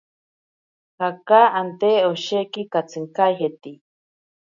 Jaka ante osheki katsinkajeiti.